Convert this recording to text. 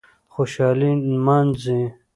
خوشالي نمانځي